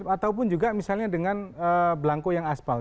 ataupun juga misalnya dengan belangko yang aspal